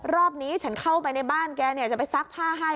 รอบนี้ฉันเข้าไปในบ้านแกจะไปซักผ้าให้